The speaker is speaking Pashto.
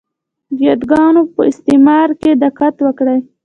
د یاګانو په استعمال کې دقت وکړئ!